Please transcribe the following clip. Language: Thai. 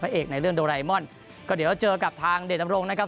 พระเอกในเรื่องโดไลมอนก็เดี๋ยวเราเจอกับทางเดชน์อำนวยสิริโชว์นะครับ